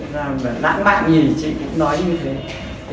là lãng mạn gì chị cũng nói như thế